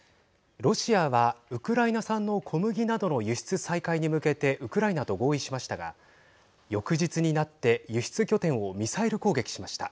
ロシアは、ウクライナ産の小麦などの輸出再開に向けてウクライナと合意しましたが翌日になって輸出拠点をミサイル攻撃しました。